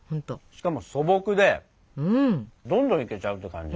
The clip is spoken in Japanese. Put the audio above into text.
しかも素朴でどんどんいけちゃうって感じ。